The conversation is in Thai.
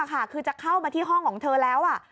คือจะเข้ามาที่ห้องของเธอแล้ว